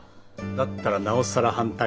だったらなおさら反対だな。